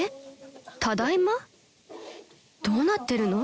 ［どうなってるの？］